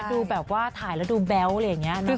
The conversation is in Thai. ดูแบบว่าถ่ายแล้วดูแบ๊วอะไรอย่างนี้